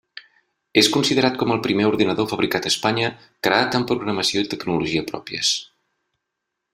És considerat com el primer ordinador fabricat a Espanya creat amb programació i tecnologia pròpies.